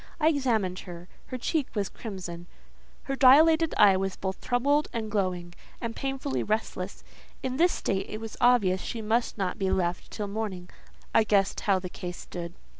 I examined her; her cheek was crimson; her dilated eye was both troubled and glowing, and painfully restless: in this state it was obvious she must not be left till morning. I guessed how the case stood.